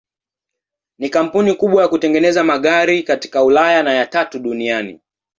Ni kampuni kubwa ya kutengeneza magari katika Ulaya na ya tatu duniani.